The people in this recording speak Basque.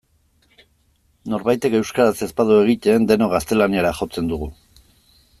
Norbaitek euskaraz ez badu egiten denok gaztelaniara jotzen dugu.